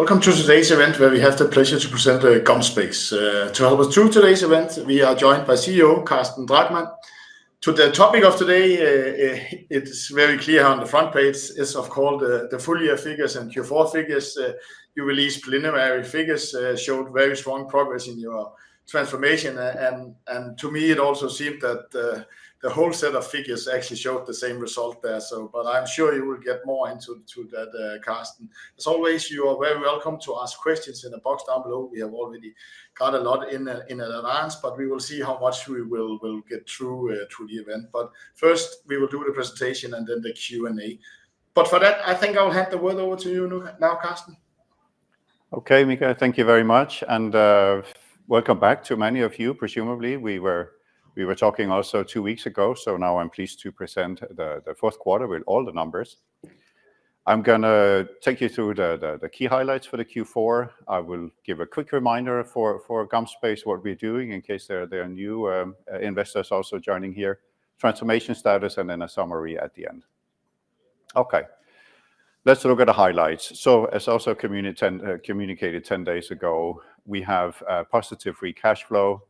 Welcome to today's event where we have the pleasure to present GomSpace. To help us through today's event, we are joined by CEO Carsten Drachmann. To the topic of today, it's very clear here on the front page, is of course the full year figures and Q4 figures. You released preliminary figures, showed very strong progress in your transformation, and to me it also seemed that the whole set of figures actually showed the same result there. But I'm sure you will get more into that, Carsten. As always, you are very welcome to ask questions in the box down below. We have already got a lot in advance, but we will see how much we will get through to the event. But first, we will do the presentation and then the Q&A. But for that, I think I'll hand the word over to you now, Carsten. Okay, Mika, thank you very much. Welcome back to many of you, presumably. We were talking also two weeks ago, so now I'm pleased to present the fourth quarter with all the numbers. I'm going to take you through the key highlights for the Q4. I will give a quick reminder for GomSpace, what we're doing, in case there are new investors also joining here, transformation status, and then a summary at the end. Okay, let's look at the highlights. As also communicated 10 days ago, we have positive free cash flow,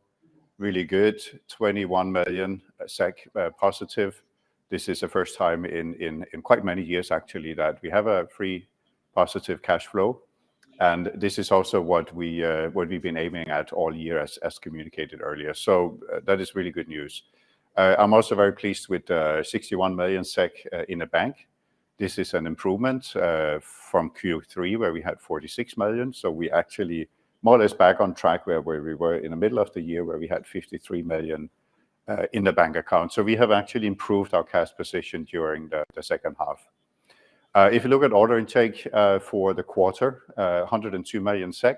really good, 21 million SEK positive. This is the first time in quite many years, actually, that we have a free positive cash flow. This is also what we've been aiming at all year, as communicated earlier. That is really good news. I'm also very pleased with 61 million SEK in the bank. This is an improvement from Q3, where we had 46 million. So we're actually more or less back on track where we were in the middle of the year, where we had 53 million in the bank account. So we have actually improved our cash position during the second half. If you look at order intake for the quarter, 102 million SEK,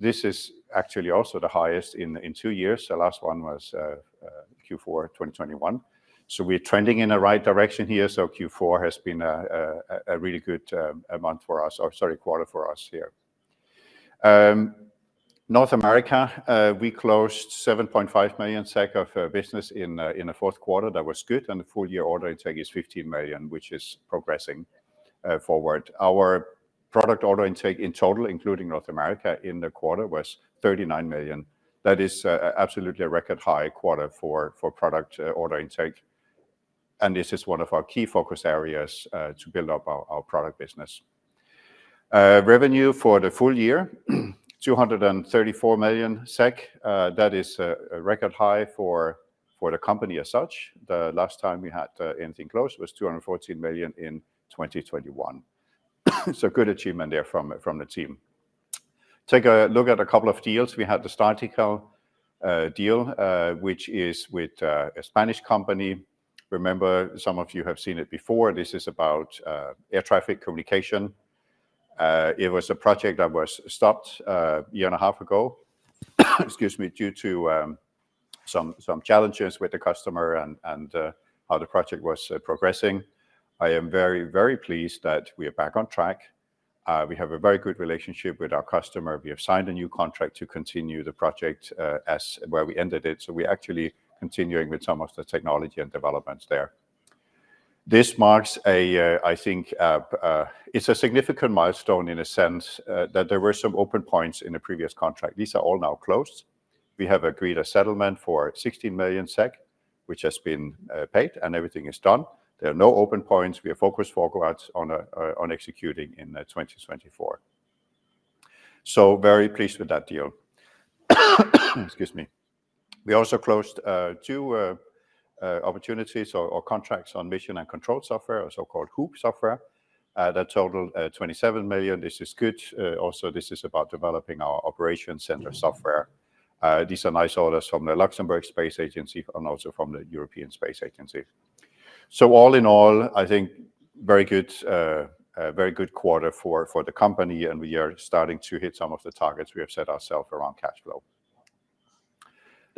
this is actually also the highest in two years. The last one was Q4 2021. So we're trending in the right direction here. So Q4 has been a really good month for us, or sorry, quarter for us here. North America, we closed 7.5 million SEK of business in the fourth quarter. That was good. And the full year order intake is 15 million, which is progressing forward. Our product order intake in total, including North America, in the quarter was 39 million. That is absolutely a record high quarter for product order intake. This is one of our key focus areas to build up our product business. Revenue for the full year, 234 million SEK. That is a record high for the company as such. The last time we had anything closed was 214 million in 2021. Good achievement there from the team. Take a look at a couple of deals. We had the Startical deal, which is with a Spanish company. Remember, some of you have seen it before. This is about air traffic communication. It was a project that was stopped a year and a half ago, excuse me, due to some challenges with the customer and how the project was progressing. I am very, very pleased that we are back on track. We have a very good relationship with our customer. We have signed a new contract to continue the project where we ended it. So we're actually continuing with some of the technology and developments there. This marks a, I think, it's a significant milestone in a sense that there were some open points in the previous contract. These are all now closed. We have agreed a settlement for 16 million SEK, which has been paid, and everything is done. There are no open points. We have focused forward on executing in 2024. So very pleased with that deal. Excuse me. We also closed two opportunities or contracts on mission and control software, so-called HOOP software, that totaled 27 million. This is good. Also, this is about developing our operations center software. These are nice orders from the Luxembourg Space Agency and also from the European Space Agency. So all in all, I think, very good quarter for the company. We are starting to hit some of the targets we have set ourselves around cash flow.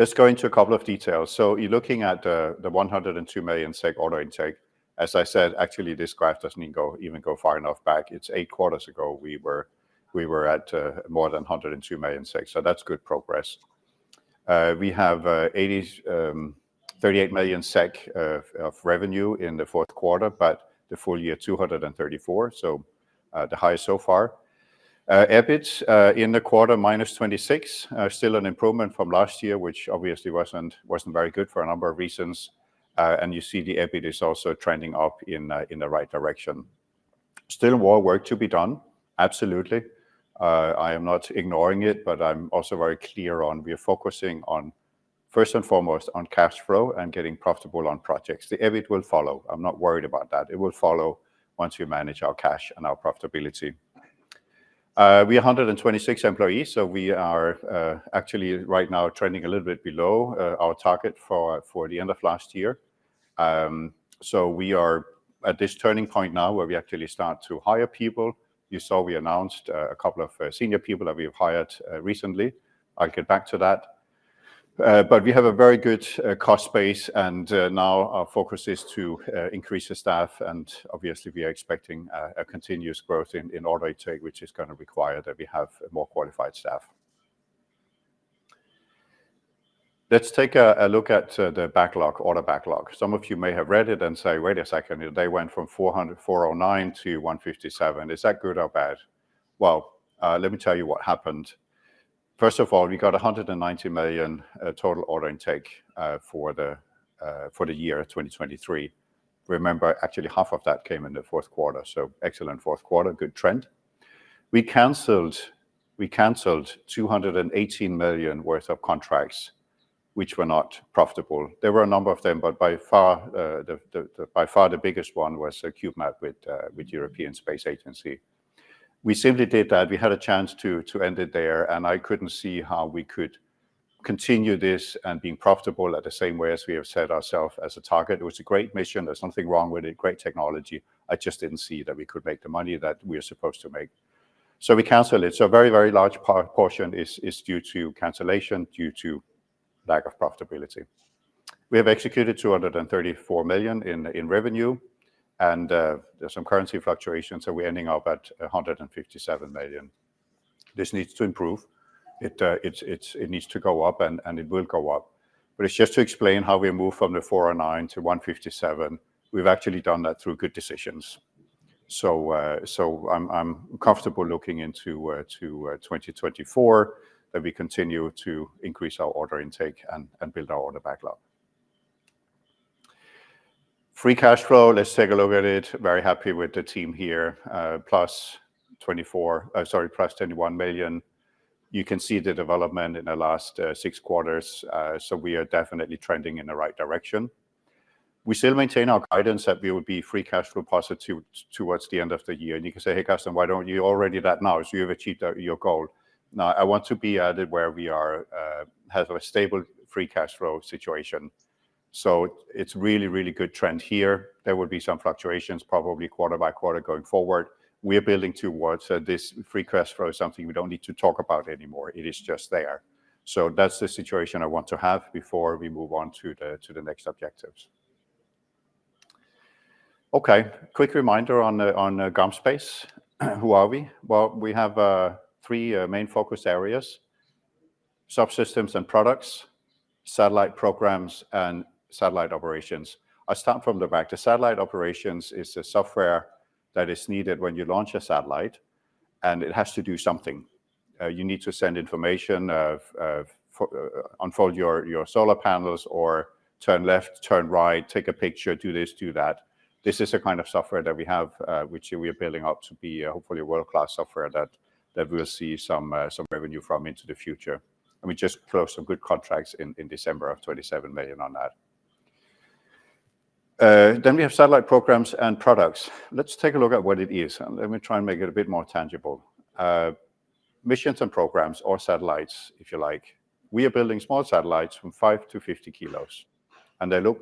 Let's go into a couple of details. Looking at the 102 million SEK order intake, as I said, actually, this graph doesn't even go far enough back. It's eight quarters ago. We were at more than 102 million. That's good progress. We have 38 million SEK of revenue in the fourth quarter, but the full year, 234 million, so the highest so far. EBIT in the quarter, -26 million, still an improvement from last year, which obviously wasn't very good for a number of reasons. You see the EBIT is also trending up in the right direction. Still more work to be done, absolutely. I am not ignoring it, but I'm also very clear on we are focusing, first and foremost, on cash flow and getting profitable on projects. The EBIT will follow. I'm not worried about that. It will follow once we manage our cash and our profitability. We are 126 employees, so we are actually right now trending a little bit below our target for the end of last year. So we are at this turning point now where we actually start to hire people. You saw we announced a couple of senior people that we have hired recently. I'll get back to that. But we have a very good cost base, and now our focus is to increase the staff. And obviously, we are expecting a continuous growth in order intake, which is going to require that we have more qualified staff. Let's take a look at the backlog, order backlog. Some of you may have read it and say, "Wait a second, they went from 409 to 157. Is that good or bad?" Well, let me tell you what happened. First of all, we got 190 million total order intake for the year 2023. Remember, actually, half of that came in the fourth quarter. So excellent fourth quarter, good trend. We cancelled 218 million worth of contracts, which were not profitable. There were a number of them, but by far, the biggest one was CubeMAP with European Space Agency. We simply did that. We had a chance to end it there, and I couldn't see how we could continue this and be profitable at the same way as we have set ourselves as a target. It was a great mission. There's nothing wrong with it, great technology. I just didn't see that we could make the money that we are supposed to make. So we cancelled it. So a very, very large portion is due to cancellation, due to lack of profitability. We have executed 234 million in revenue, and there's some currency fluctuations, so we're ending up at 157 million. This needs to improve. It needs to go up, and it will go up. But it's just to explain how we move from the 409 million to 157 million. We've actually done that through good decisions. So I'm comfortable looking into 2024 that we continue to increase our order intake and build our order backlog. Free cash flow, let's take a look at it. Very happy with the team here, +21 million. You can see the development in the last six quarters. So we are definitely trending in the right direction. We still maintain our guidance that we would be free cash flow positive towards the end of the year. And you can say, "Hey, Carsten, why don't you already do that now?" So you have achieved your goal. Now, I want to be at it where we have a stable free cash flow situation. So it's a really, really good trend here. There will be some fluctuations, probably quarter by quarter going forward. We are building towards this free cash flow as something we don't need to talk about anymore. It is just there. So that's the situation I want to have before we move on to the next objectives. Okay, quick reminder on GomSpace. Who are we? Well, we have three main focus areas: subsystems and products, satellite programs, and satellite operations. I'll start from the back. The satellite operations is the software that is needed when you launch a satellite, and it has to do something. You need to send information, unfold your solar panels, or turn left, turn right, take a picture, do this, do that. This is the kind of software that we have, which we are building up to be hopefully a world-class software that we'll see some revenue from into the future. We just closed some good contracts in December of 27 million on that. We have satellite programs and products. Let's take a look at what it is. Let me try and make it a bit more tangible. Missions and programs, or satellites, if you like. We are building small satellites from 5-50 kilos, and they look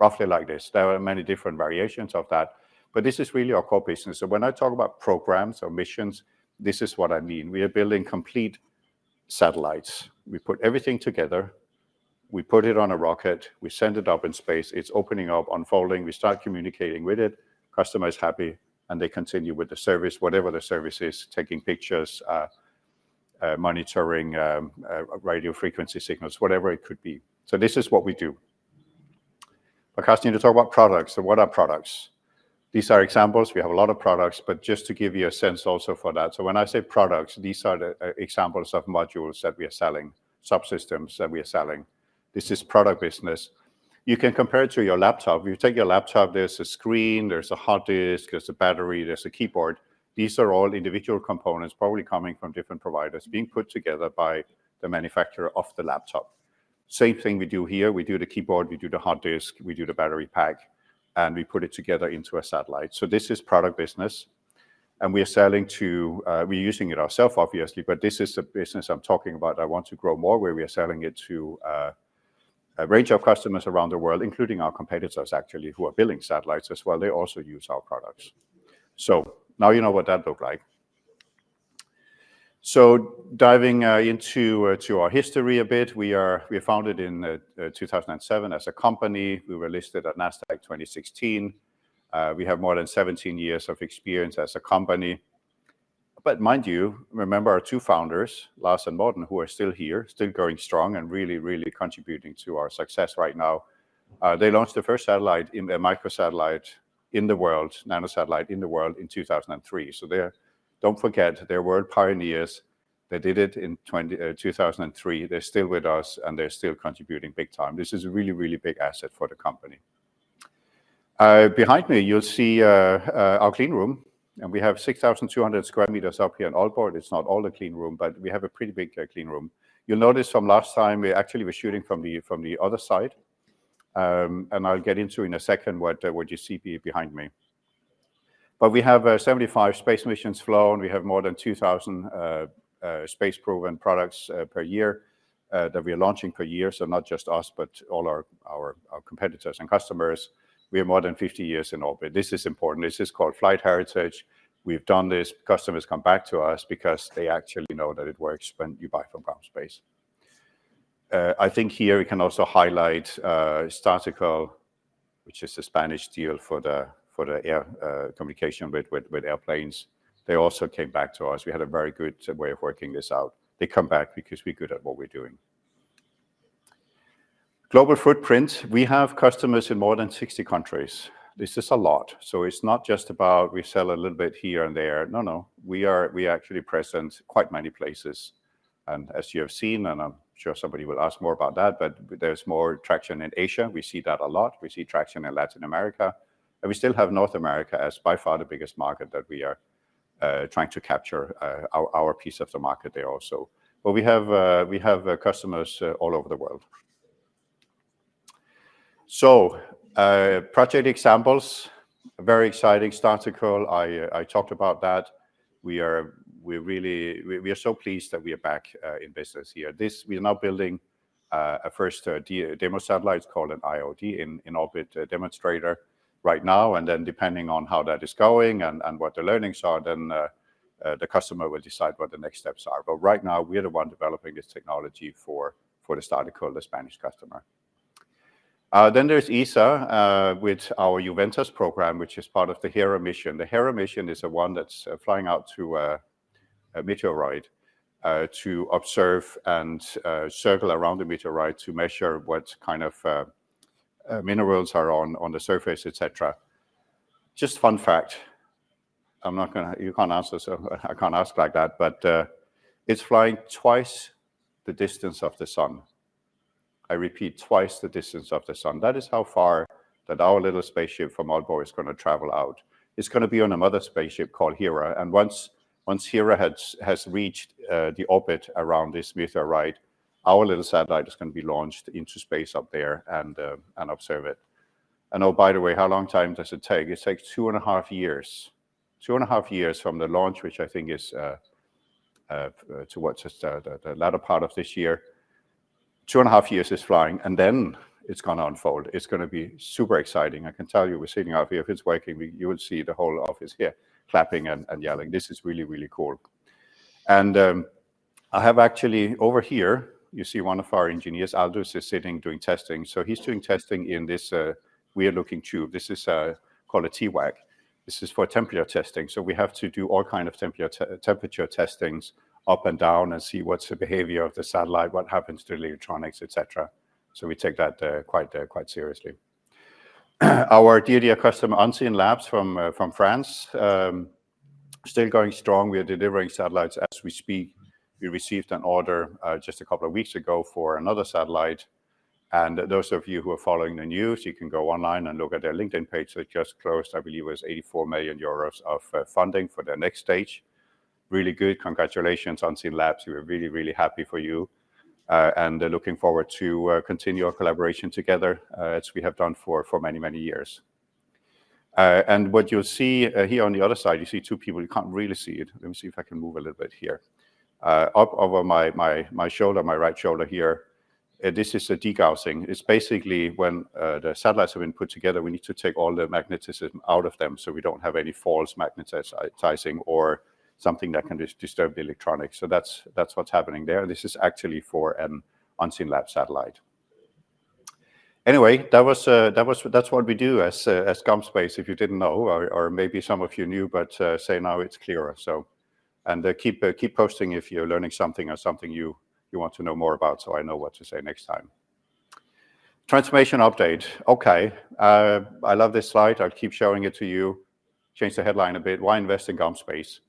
roughly like this. There are many different variations of that, but this is really our core business. So when I talk about programs or missions, this is what I mean. We are building complete satellites. We put everything together. We put it on a rocket. We send it up in space. It's opening up, unfolding. We start communicating with it. Customer is happy, and they continue with the service, whatever the service is, taking pictures, monitoring radio frequency signals, whatever it could be. So this is what we do. But Carsten, you talk about products. So what are products? These are examples. We have a lot of products, but just to give you a sense also for that. So when I say products, these are examples of modules that we are selling, subsystems that we are selling. This is product business. You can compare it to your laptop. If you take your laptop, there's a screen, there's a hard disk, there's a battery, there's a keyboard. These are all individual components, probably coming from different providers, being put together by the manufacturer of the laptop. Same thing we do here. We do the keyboard, we do the hard disk, we do the battery pack, and we put it together into a satellite. So this is product business. And we are selling to. We're using it ourselves, obviously, but this is the business I'm talking about. I want to grow more, where we are selling it to a range of customers around the world, including our competitors, actually, who are building satellites as well. They also use our products. So now you know what that looked like. So diving into our history a bit, we were founded in 2007 as a company. We were listed at Nasdaq 2016. We have more than 17 years of experience as a company. But mind you, remember our two founders, Lars and Morten, who are still here, still going strong and really, really contributing to our success right now. They launched the first microsatellite in the world, nanosatellite in the world, in 2003. So don't forget, they're world pioneers. They did it in 2003. They're still with us, and they're still contributing big time. This is a really, really big asset for the company. Behind me, you'll see our clean room. And we have 6,200 square meters up here in Aalborg. It's not all a clean room, but we have a pretty big clean room. You'll notice from last time, actually, we're shooting from the other side. And I'll get into in a second what you see behind me. But we have 75 space missions flown. We have more than 2,000 space-proven products per year that we are launching per year. So not just us, but all our competitors and customers. We are more than 50 years in orbit. This is important. This is called flight heritage. We've done this. Customers come back to us because they actually know that it works when you buy from GomSpace. I think here we can also highlight Startical, which is the Spanish deal for the air communication with airplanes. They also came back to us. We had a very good way of working this out. They come back because we're good at what we're doing. Global footprint, we have customers in more than 60 countries. This is a lot. So it's not just about we sell a little bit here and there. No, no. We are actually present quite many places. And as you have seen, and I'm sure somebody will ask more about that, but there's more traction in Asia. We see that a lot. We see traction in Latin America. We still have North America as by far the biggest market that we are trying to capture our piece of the market there also. But we have customers all over the world. So project examples, very exciting. Startical, I talked about that. We are so pleased that we are back in business here. We are now building a first demo satellite. It's called an IOD, an In-Orbit Demonstrator, right now. And then depending on how that is going and what the learnings are, then the customer will decide what the next steps are. But right now, we are the one developing this technology for the Startical, the Spanish customer. Then there's ESA with our Juventas program, which is part of the Hera mission. The Hera mission is the one that's flying out to a meteoroid to observe and circle around the meteoroid to measure what kind of minerals are on the surface, etc. Just a fun fact, you can't answer so I can't ask like that, but it's flying twice the distance of the Sun. I repeat, twice the distance of the Sun. That is how far that our little spaceship from Aalborg is going to travel out. It's going to be on another spaceship called Hera. And once Hera has reached the orbit around this meteoroid, our little satellite is going to be launched into space up there and observe it. And oh, by the way, how long time does it take? It takes 2.5 years. 2.5 years from the launch, which I think is towards the latter part of this year. 2.5 years is flying. Then it's going to unfold. It's going to be super exciting. I can tell you, we're sitting out here. If it's working, you will see the whole office here clapping and yelling. This is really, really cool. I have actually over here, you see one of our engineers, Aldous, is sitting doing testing. So he's doing testing in this weird-looking tube. This is called a TVAC. This is for temperature testing. So we have to do all kinds of temperature testings up and down and see what's the behavior of the satellite, what happens to the electronics, etc. So we take that quite seriously. Our dear, dear customer, Unseenlabs from France, still going strong. We are delivering satellites as we speak. We received an order just a couple of weeks ago for another satellite. And those of you who are following the news, you can go online and look at their LinkedIn page. They just closed, I believe, with 84 million euros of funding for their next stage. Really good. Congratulations, Unseenlabs. We are really, really happy for you and looking forward to continuing our collaboration together as we have done for many, many years. And what you'll see here on the other side, you see two people. You can't really see it. Let me see if I can move a little bit here. Up over my right shoulder here, this is a degaussing. It's basically when the satellites have been put together, we need to take all the magnetism out of them so we don't have any false magnetizing or something that can disturb the electronics. So that's what's happening there. And this is actually for an Unseenlabs satellite. Anyway, that's what we do as GomSpace, if you didn't know. Or maybe some of you knew, but say now it's clearer. And keep posting if you're learning something or something you want to know more about so I know what to say next time. Transformation update. Okay, I love this slide. I'll keep showing it to you. Change the headline a bit. Why invest in GomSpace?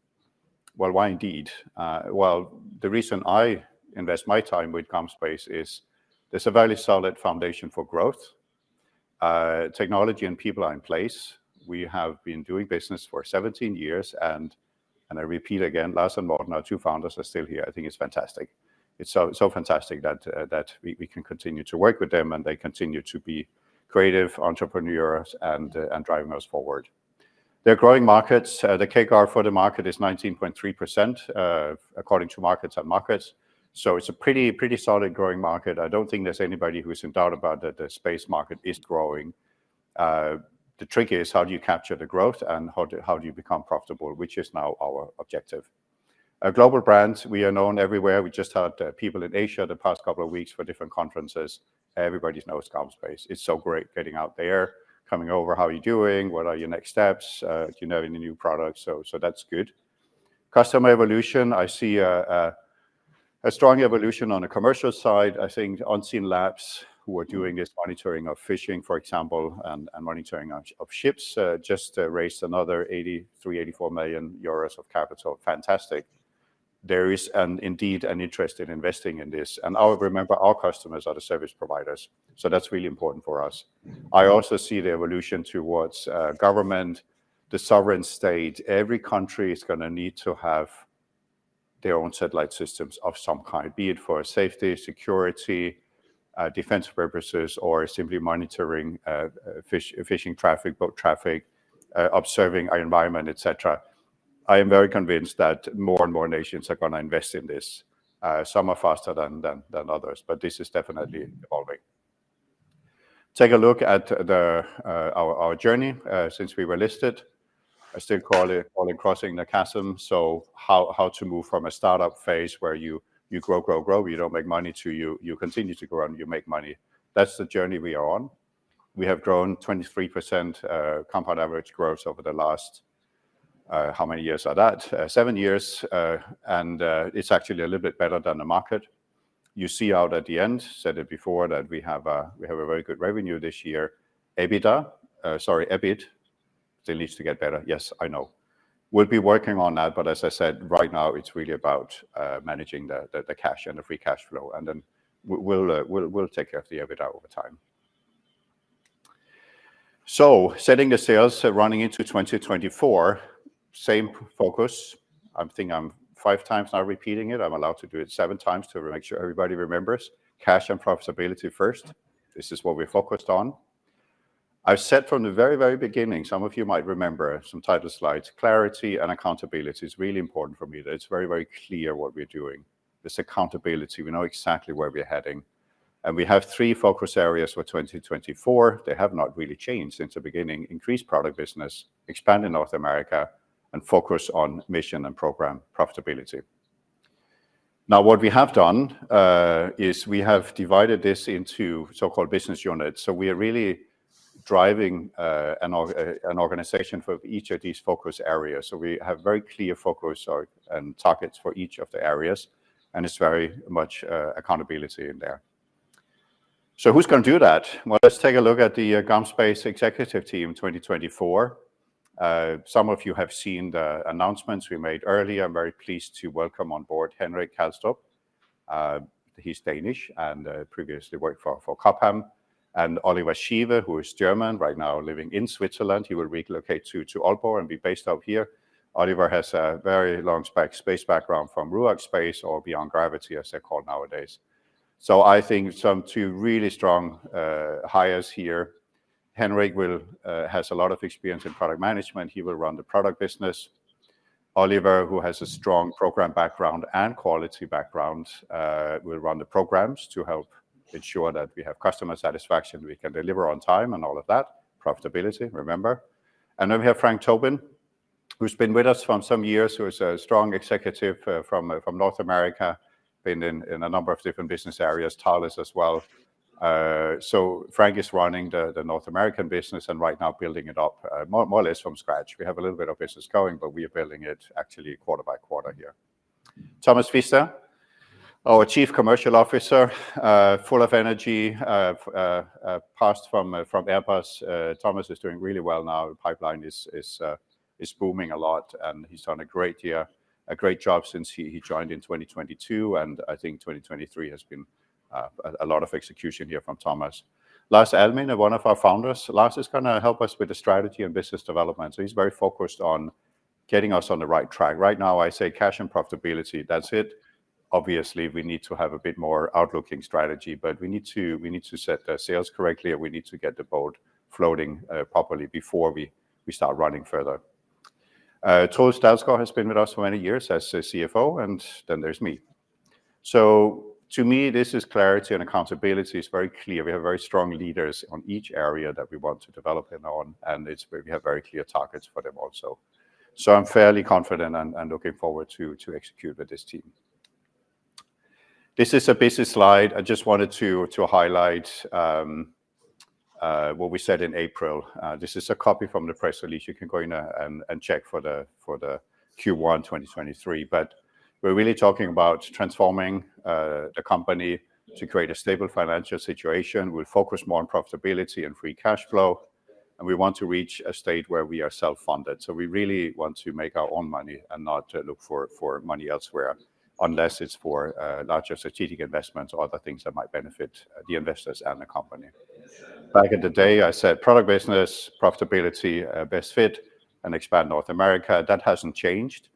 Well, why indeed? Well, the reason I invest my time with GomSpace is there's a very solid foundation for growth. Technology and people are in place. We have been doing business for 17 years. And I repeat again, Lars and Morten, our two founders, are still here. I think it's fantastic. It's so fantastic that we can continue to work with them, and they continue to be creative entrepreneurs and driving us forward. They're growing markets. The CAGR for the market is 19.3%, according to Markets and Markets. So it's a pretty solid growing market. I don't think there's anybody who's in doubt about that the space market is growing. The trick is, how do you capture the growth, and how do you become profitable, which is now our objective. A global brand. We are known everywhere. We just had people in Asia the past couple of weeks for different conferences. Everybody knows GomSpace. It's so great getting out there, coming over. How are you doing? What are your next steps? Do you know any new products? So that's good. Customer evolution, I see a strong evolution on the commercial side. I think Unseenlabs, who are doing this monitoring of fishing, for example, and monitoring of ships, just raised another 83 million euros of capital. Fantastic. There is, indeed, an interest in investing in this. Remember, our customers are the service providers. So that's really important for us. I also see the evolution towards government, the sovereign state. Every country is going to need to have their own satellite systems of some kind, be it for safety, security, defense purposes, or simply monitoring fishing traffic, boat traffic, observing our environment, etc. I am very convinced that more and more nations are going to invest in this. Some are faster than others, but this is definitely evolving. Take a look at our journey since we were listed. I still call it crossing the chasm. So how to move from a startup phase where you grow, grow, grow. You don't make money till you continue to grow. You make money. That's the journey we are on. We have grown 23% compound average growth over the last how many years are that? 7 years. It's actually a little bit better than the market. You see out at the end, said it before, that we have a very good revenue this year. EBITDA sorry, EBIT. It still needs to get better. Yes, I know. We'll be working on that. But as I said, right now, it's really about managing the cash and the free cash flow. And then we'll take care of the EBITDA over time. So setting the sales running into 2024, same focus. I think I'm five times now repeating it. I'm allowed to do it seven times to make sure everybody remembers. Cash and profitability first. This is what we're focused on. I've said from the very, very beginning, some of you might remember some title slides, clarity and accountability is really important for me. It's very, very clear what we're doing. This accountability, we know exactly where we're heading. We have three focus areas for 2024. They have not really changed since the beginning: increase product business, expand in North America, and focus on mission and program profitability. Now, what we have done is we have divided this into so-called business units. So we are really driving an organization for each of these focus areas. So we have very clear focus and targets for each of the areas. And it's very much accountability in there. So who's going to do that? Well, let's take a look at the GomSpace executive team 2024. Some of you have seen the announcements we made earlier. I'm very pleased to welcome on board Henrik Kalstrup. He's Danish and previously worked for Cobham. And Oliver Schiewe, who is German, right now living in Switzerland. He will relocate to Aalborg and be based out here. Oliver has a very long space background from RUAG Space, or Beyond Gravity, as they're called nowadays. So I think some two really strong hires here. Henrik has a lot of experience in product management. He will run the product business. Oliver, who has a strong program background and quality background, will run the programs to help ensure that we have customer satisfaction, we can deliver on time, and all of that. Profitability, remember. And then we have Frank Tobin, who's been with us for some years, who is a strong executive from North America, been in a number of different business areas, Thales as well. So Frank is running the North American business and right now building it up, more or less from scratch. We have a little bit of business going, but we are building it actually quarter by quarter here. Thomas Pfister, our Chief Commercial Officer, full of energy, passed from Airbus. Thomas is doing really well now. The pipeline is booming a lot. He's done a great year, a great job since he joined in 2022. I think 2023 has been a lot of execution here from Thomas. Lars Alminde, one of our founders, Lars is going to help us with the strategy and business development. He's very focused on getting us on the right track. Right now, I say cash and profitability. That's it. Obviously, we need to have a bit more outlooking strategy. But we need to set the sales correctly, and we need to get the boat floating properly before we start running further. Troels Dalsgaard has been with us for many years as CFO. Then there's me. To me, this is clarity and accountability. It's very clear. We have very strong leaders on each area that we want to develop in on. We have very clear targets for them also. I'm fairly confident and looking forward to execute with this team. This is a business slide. I just wanted to highlight what we said in April. This is a copy from the press release. You can go in and check for the Q1 2023. We're really talking about transforming the company to create a stable financial situation. We'll focus more on profitability and free cash flow. We want to reach a state where we are self-funded. We really want to make our own money and not look for money elsewhere, unless it's for larger strategic investments or other things that might benefit the investors and the company. Back in the day, I said product business, profitability, best fit, and expand North America. That hasn't changed.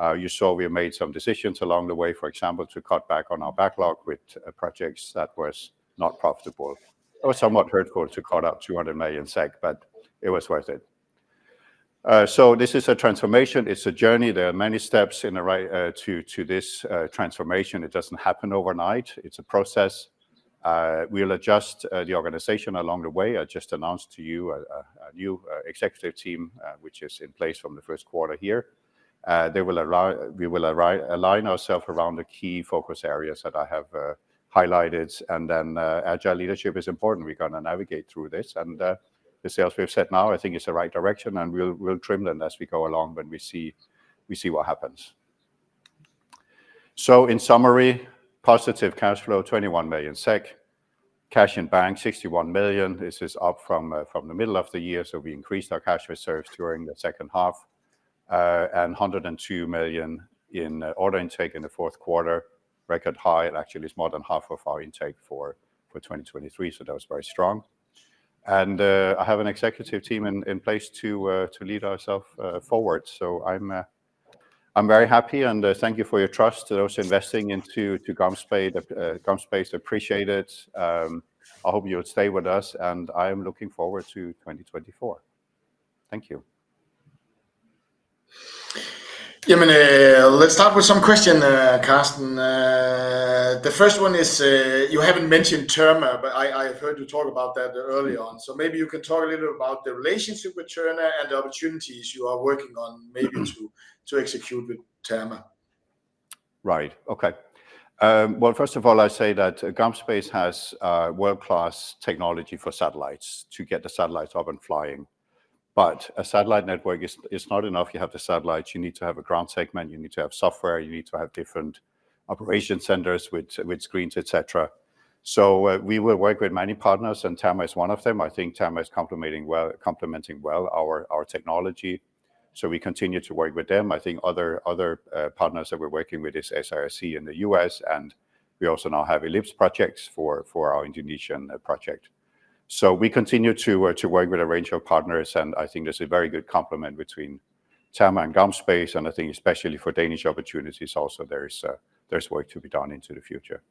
You saw we made some decisions along the way, for example, to cut back on our backlog with projects that were not profitable. It was somewhat hurtful to cut out 200 million SEK, but it was worth it. This is a transformation. It's a journey. There are many steps to this transformation. It doesn't happen overnight. It's a process. We'll adjust the organization along the way. I just announced to you a new executive team, which is in place from the first quarter here. We will align ourselves around the key focus areas that I have highlighted. Agile leadership is important. We're going to navigate through this. The sales we've set now, I think, is the right direction. We'll trim them as we go along when we see what happens. In summary, positive cash flow, 21 million SEK. Cash in bank, 61 million. This is up from the middle of the year. So we increased our cash reserves during the second half and 102 million in order intake in the fourth quarter. Record high. It actually is more than half of our intake for 2023. So that was very strong. And I have an executive team in place to lead ourselves forward. So I'm very happy. And thank you for your trust to those investing into GomSpace. GomSpace appreciate it. I hope you'll stay with us. And I am looking forward to 2024. Thank you. Yeah. I mean, let's start with some questions, Carsten. The first one is you haven't mentioned Terma, but I have heard you talk about that earlier on. So maybe you can talk a little about the relationship with Terma and the opportunities you are working on, maybe, to execute with Terma. Right. Okay. Well, first of all, I say that GomSpace has world-class technology for satellites to get the satellites up and flying. But a satellite network is not enough. You have the satellites. You need to have a ground segment. You need to have software. You need to have different operation centers with screens, etc. So we will work with many partners. And Terma is one of them. I think Terma is complementing well our technology. So we continue to work with them. I think other partners that we're working with is SAIC in the U.S. And we also now have ELIPS projects for our Indonesian project. So we continue to work with a range of partners. And I think there's a very good complement between Terma and GomSpace. And I think especially for Danish opportunities, also, there's work to be done into the future.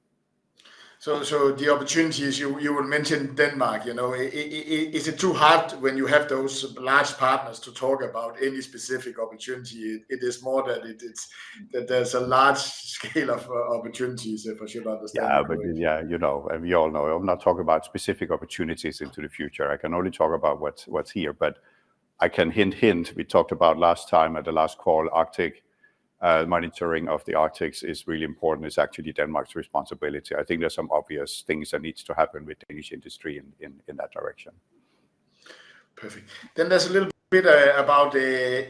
So the opportunities, you will mention Denmark. Is it too hard when you have those large partners to talk about any specific opportunity? It is more that there's a large scale of opportunities, if I should understand. Yeah. Yeah. We all know. I'm not talking about specific opportunities into the future. I can only talk about what's here. But I can hint, hint. We talked about last time at the last call. Arctic monitoring of the Arctic is really important. It's actually Denmark's responsibility. I think there's some obvious things that need to happen with Danish industry in that direction. Perfect. Then there's a little bit about the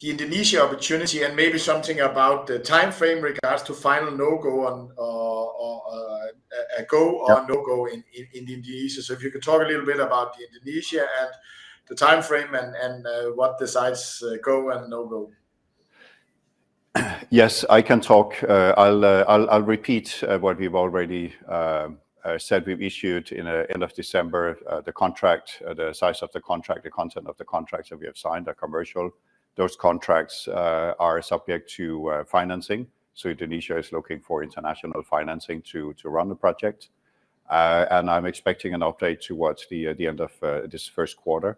Indonesian opportunity and maybe something about the time frame in regards to final no-go or a go or no-go in Indonesia. So if you could talk a little bit about Indonesia and the time frame and what decides go and no-go. Yes, I can talk. I'll repeat what we've already said. We've issued in the end of December the contract, the size of the contract, the content of the contracts that we have signed, our commercial. Those contracts are subject to financing. So Indonesia is looking for international financing to run the project. And I'm expecting an update towards the end of this first quarter.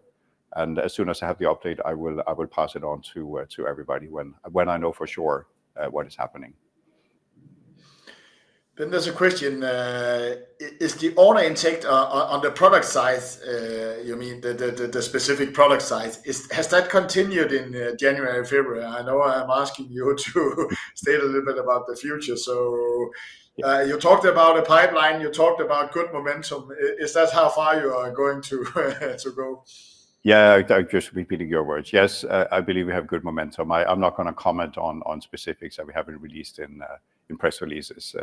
And as soon as I have the update, I will pass it on to everybody when I know for sure what is happening. Then there's a question. Is the order intake on the product size you mean, the specific product size, has that continued in January, February? I know I'm asking you to state a little bit about the future. So you talked about a pipeline. You talked about good momentum. Is that how far you are going to go? Yeah. I'm just repeating your words. Yes, I believe we have good momentum. I'm not going to comment on specifics that we haven't released in press releases.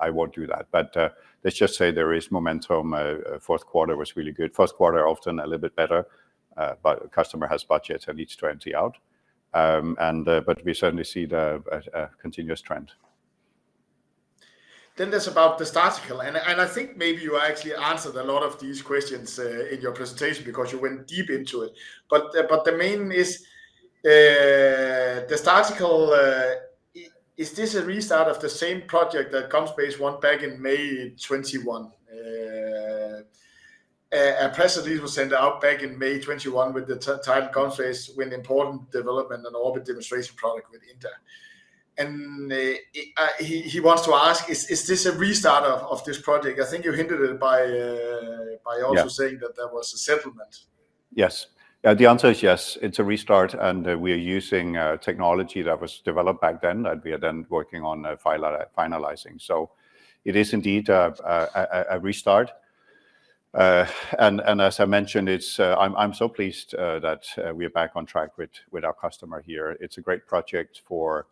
I won't do that. But let's just say there is momentum. Fourth quarter was really good. First quarter, often a little bit better. But a customer has budgets and needs to empty out. But we certainly see a continuous trend. There's about the Startical. I think maybe you actually answered a lot of these questions in your presentation because you went deep into it. The main is the Startical. Is this a restart of the same project that GomSpace won back in May 2021? A press release was sent out back in May 2021 with the title, "GomSpace: Win Important Development and In-Orbit Demonstrator Product with Indra." He wants to ask, is this a restart of this project? I think you hinted at it by also saying that there was a settlement. Yes. Yeah. The answer is yes. It's a restart. We are using technology that was developed back then. We are then working on finalizing. So it is indeed a restart. As I mentioned, I'm so pleased that we are back on track with our customer here. It's a great project for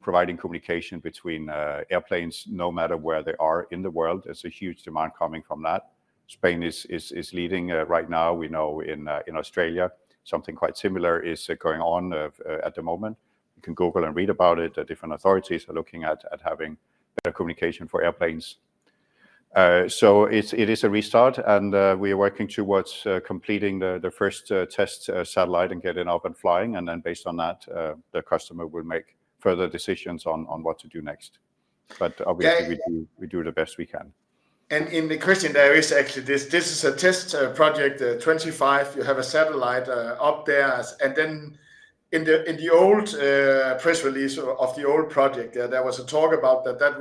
providing communication between airplanes, no matter where they are in the world. There's a huge demand coming from that. Spain is leading right now. We know in Australia, something quite similar is going on at the moment. You can Google and read about it. Different authorities are looking at having better communication for airplanes. So it is a restart. We are working towards completing the first test satellite and getting it up and flying. Then based on that, the customer will make further decisions on what to do next. But obviously, we do the best we can. In the question there is, actually, this is a test project, 2025. You have a satellite up there. And then in the old press release of the old project, there was a talk about that that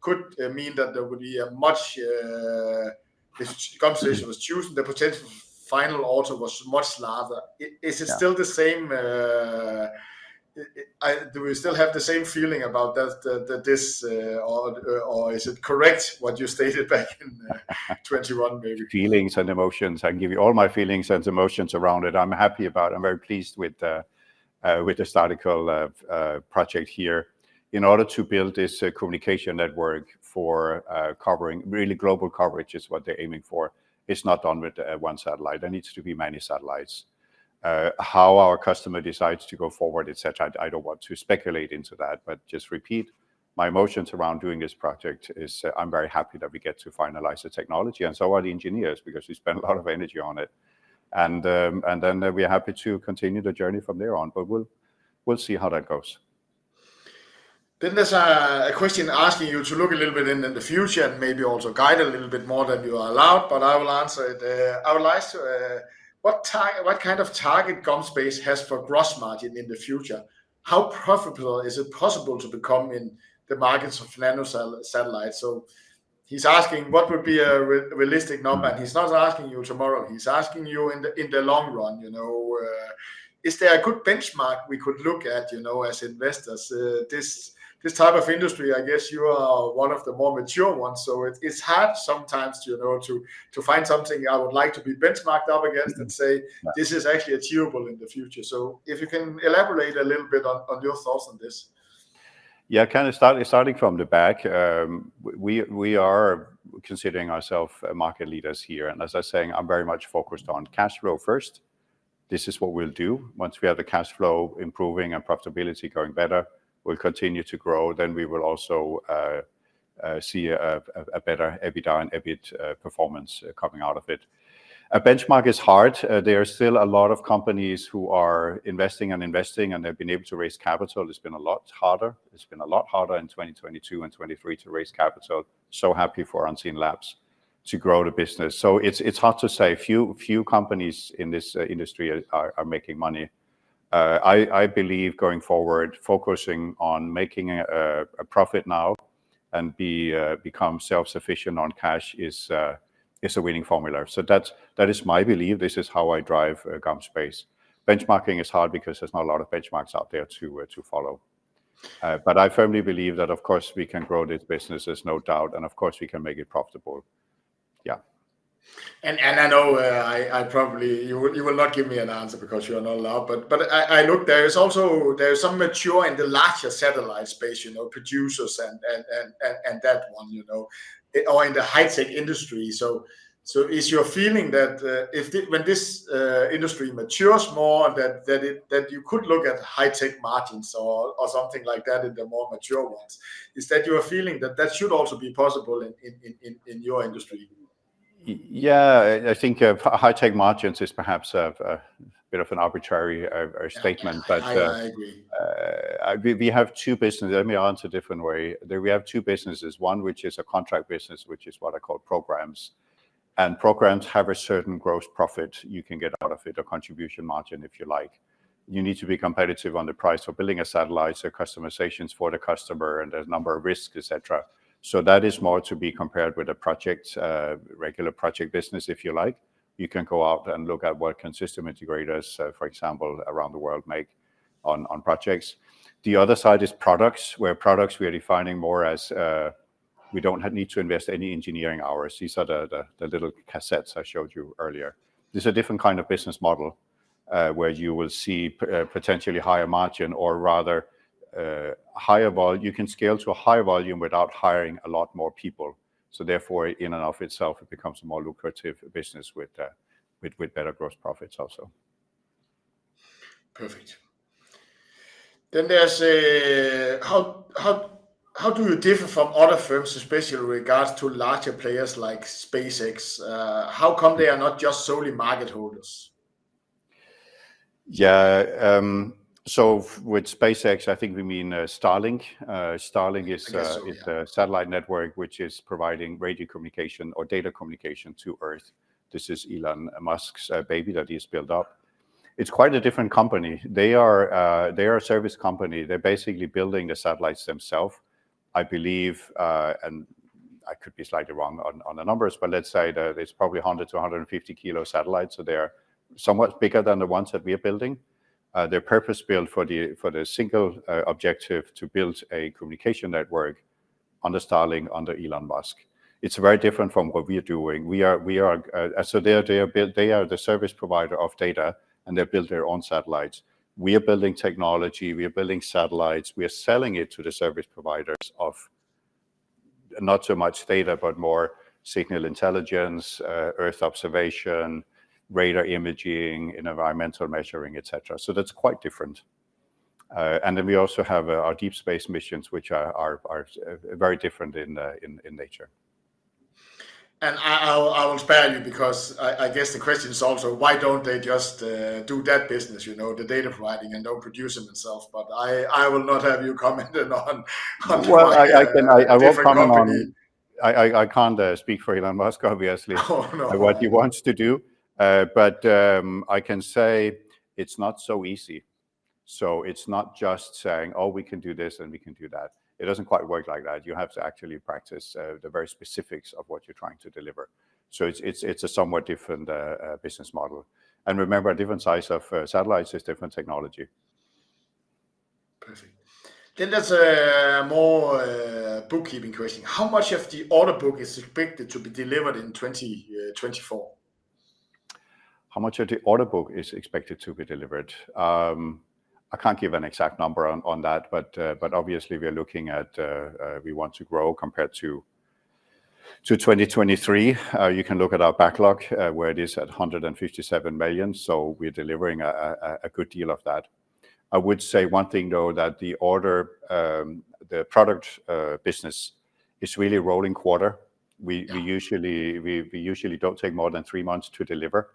could mean that there would be a much if GomSpace was choosing, the potential final order was much larger. Is it still the same? Do we still have the same feeling about this? Or is it correct what you stated back in 2021, maybe? Feelings and emotions. I can give you all my feelings and emotions around it. I'm happy about it. I'm very pleased with the Startical project here. In order to build this communication network for covering really global coverage is what they're aiming for. It's not done with one satellite. There needs to be many satellites. How our customer decides to go forward, etc., I don't want to speculate into that. But just repeat, my emotions around doing this project is I'm very happy that we get to finalize the technology. And so are the engineers because we spent a lot of energy on it. And then we're happy to continue the journey from there on. But we'll see how that goes. Then there's a question asking you to look a little bit into the future and maybe also guide a little bit more than you are allowed. But I will answer it. I would like to what kind of target GomSpace has for gross margin in the future? How profitable is it possible to become in the markets of nano satellites? So he's asking, what would be a realistic number? And he's not asking you tomorrow. He's asking you in the long run. Is there a good benchmark we could look at as investors? This type of industry, I guess you are one of the more mature ones. So it's hard sometimes to find something I would like to be benchmarked up against and say, "This is actually achievable in the future." So if you can elaborate a little bit on your thoughts on this. Yeah. Kind of starting from the back, we are considering ourselves market leaders here. And as I'm saying, I'm very much focused on cash flow first. This is what we'll do. Once we have the cash flow improving and profitability going better, we'll continue to grow. Then we will also see a better EBITDA and EBIT performance coming out of it. A benchmark is hard. There are still a lot of companies who are investing and investing. And they've been able to raise capital. It's been a lot harder. It's been a lot harder in 2022 and 2023 to raise capital. So happy for Unseenlabs to grow the business. So it's hard to say. Few companies in this industry are making money. I believe going forward, focusing on making a profit now and become self-sufficient on cash is a winning formula. So that is my belief. This is how I drive GomSpace. Benchmarking is hard because there's not a lot of benchmarks out there to follow. But I firmly believe that, of course, we can grow this business. There's no doubt. And of course, we can make it profitable. Yeah. I know I probably you will not give me an answer because you are not allowed. But I looked. There is some maturity in the larger satellite space producers and that one or in the high-tech industry. So is your feeling that when this industry matures more, that you could look at high-tech margins or something like that in the more mature ones? Is that your feeling that that should also be possible in your industry? Yeah. I think high-tech margins is perhaps a bit of an arbitrary statement. But we have two businesses. Let me answer a different way. We have two businesses. One, which is a contract business, which is what I call programs. And programs have a certain gross profit you can get out of it, a contribution margin if you like. You need to be competitive on the price for building a satellite, so customizations for the customer. And there's a number of risks, etc. So that is more to be compared with a regular project business, if you like. You can go out and look at what systems integrators, for example, around the world make on projects. The other side is products, where products we are defining more as we don't need to invest any engineering hours. These are the little cassettes I showed you earlier. This is a different kind of business model where you will see potentially higher margin or rather higher volume. You can scale to a higher volume without hiring a lot more people. So therefore, in and of itself, it becomes a more lucrative business with better gross profits also. Perfect. Then there's how do you differ from other firms, especially in regards to larger players like SpaceX? How come they are not just solely market holders? Yeah. So with SpaceX, I think we mean Starlink. Starlink is a satellite network which is providing radio communication or data communication to Earth. This is Elon Musk's baby that he has built up. It's quite a different company. They are a service company. They're basically building the satellites themselves, I believe. And I could be slightly wrong on the numbers. But let's say there's probably 100-150 kg satellites. So they are somewhat bigger than the ones that we are building. They're purpose-built for the single objective to build a communication network under Starlink, under Elon Musk. It's very different from what we are doing. So they are the service provider of data. And they build their own satellites. We are building technology. We are building satellites. We are selling it to the service providers of not so much data but more signal intelligence, Earth observation, radar imaging, environmental measuring, etc. That's quite different. Then we also have our deep space missions, which are very different in nature. I will spare you because I guess the question is also, why don't they just do that business, the data providing, and don't produce them themselves? I will not have you comment on the company. Well, I won't comment on it. I can't speak for Elon Musk, obviously, what he wants to do. I can say it's not so easy. It's not just saying, "Oh, we can do this, and we can do that." It doesn't quite work like that. You have to actually practice the very specifics of what you're trying to deliver. It's a somewhat different business model. Remember, a different size of satellites is different technology. Perfect. Then there's a more bookkeeping question. How much of the order book is expected to be delivered in 2024? How much of the order book is expected to be delivered? I can't give an exact number on that. But obviously, we are looking at we want to grow compared to 2023. You can look at our backlog, where it is at 157 million. So we're delivering a good deal of that. I would say one thing, though, that the product business is really rolling quarter. We usually don't take more than three months to deliver.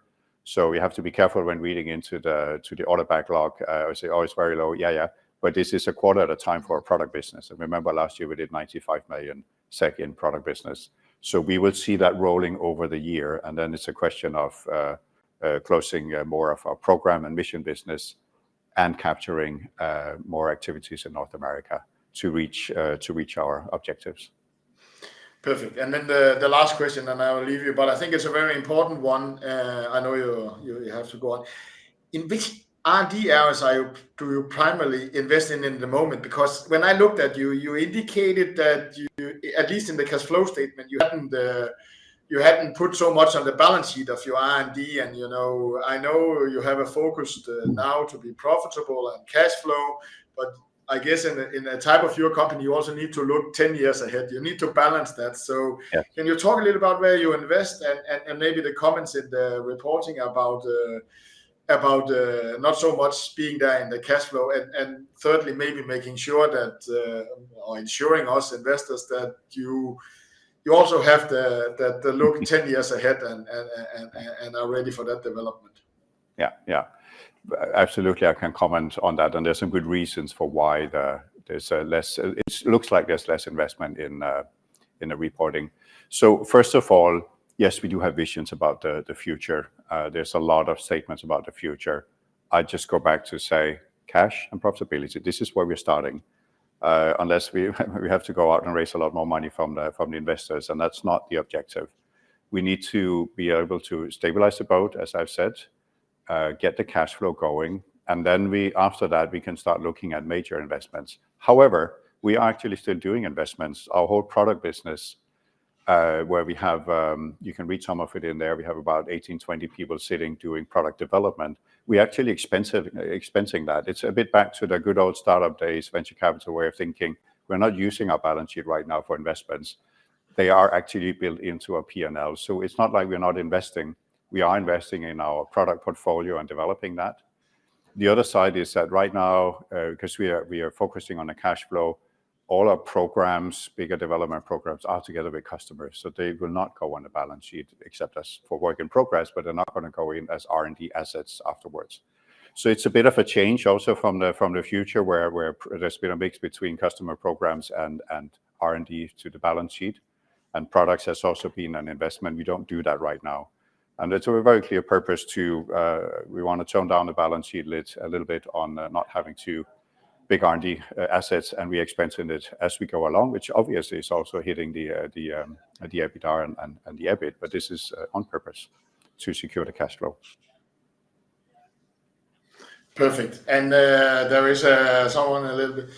So we have to be careful when reading into the order backlog. I say, "Oh, it's very low." Yeah, yeah. But this is a quarter at a time for a product business. And remember, last year, we did 95 million SEK in product business. So we will see that rolling over the year. It's a question of closing more of our program and mission business and capturing more activities in North America to reach our objectives. Perfect. Then the last question, and I will leave you. I think it's a very important one. I know you have to go on. In which R&D areas do you primarily invest in at the moment? Because when I looked at you, you indicated that, at least in the cash flow statement, you hadn't put so much on the balance sheet of your R&D. I know you have a focus now to be profitable and cash flow. I guess in the type of your company, you also need to look 10 years ahead. You need to balance that. Can you talk a little about where you invest and maybe the comments in the reporting about not so much being there in the cash flow and, thirdly, maybe making sure or ensuring us, investors, that you also have the look 10 years ahead and are ready for that development? Yeah, yeah. Absolutely. I can comment on that. There's some good reasons for why there's less. It looks like there's less investment in the reporting. So first of all, yes, we do have visions about the future. There's a lot of statements about the future. I just go back to say, cash and profitability. This is where we're starting, unless we have to go out and raise a lot more money from the investors. That's not the objective. We need to be able to stabilize the boat, as I've said, get the cash flow going. Then after that, we can start looking at major investments. However, we are actually still doing investments. Our whole product business, where we have. You can read some of it in there. We have about 18-20 people sitting doing product development. We are actually expensing that. It's a bit back to the good old startup days, venture capital way of thinking. We're not using our balance sheet right now for investments. They are actually built into our P&L. So it's not like we're not investing. We are investing in our product portfolio and developing that. The other side is that right now, because we are focusing on the cash flow, all our programs, bigger development programs, are together with customers. So they will not go on the balance sheet except for work in progress. But they're not going to go in as R&D assets afterwards. So it's a bit of a change also from the future, where there's been a mix between customer programs and R&D to the balance sheet. And products has also been an investment. We don't do that right now. It's a very clear purpose to we want to tone down the balance sheet a little bit on not having two big R&D assets. We're expensing it as we go along, which obviously is also hitting the EBITDA and the EBIT. This is on purpose to secure the cash flow. Perfect. And there is someone a little bit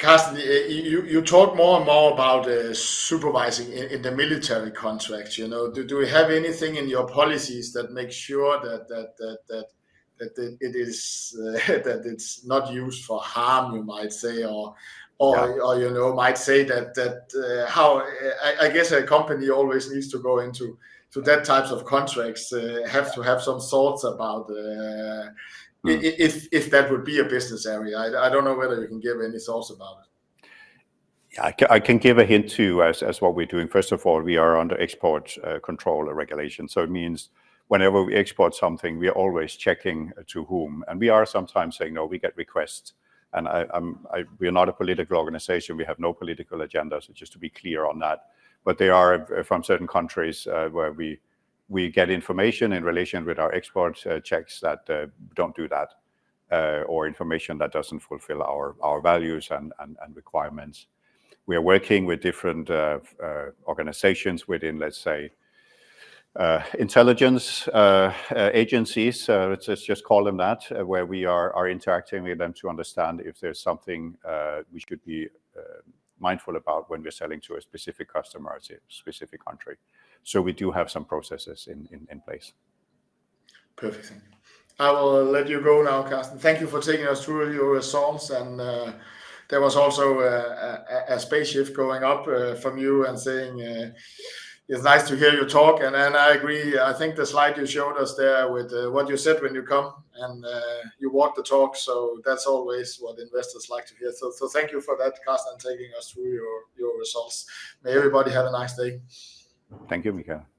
you talk more and more about supervising in the military contracts. Do we have anything in your policies that makes sure that it is that it's not used for harm, you might say, or might say that how I guess a company always needs to go into that types of contracts have to have some thoughts about if that would be a business area. I don't know whether you can give any thoughts about it. Yeah. I can give a hint too as what we're doing. First of all, we are under export control regulation. So it means whenever we export something, we are always checking to whom. And we are sometimes saying, "No, we get requests." And we are not a political organization. We have no political agenda. So just to be clear on that. But there are from certain countries where we get information in relation with our export checks that don't do that or information that doesn't fulfill our values and requirements. We are working with different organizations within, let's say, intelligence agencies. Let's just call them that, where we are interacting with them to understand if there's something we should be mindful about when we're selling to a specific customer or a specific country. So we do have some processes in place. Perfect. I will let you go now, Carsten. Thank you for taking us through your results. There was also a spaceship going up from you and saying it's nice to hear you talk. I agree. I think the slide you showed us there with what you said when you come. You walked the talk. That's always what investors like to hear. Thank you for that, Carsten, taking us through your results. May everybody have a nice day. Thank you, Michael.